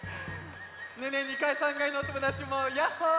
ねえねえ２かい３がいのおともだちもヤッホー！